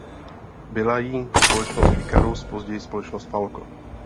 Byla jí společnost Ikarus později společnost Falco.